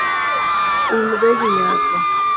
Um dhogi nyako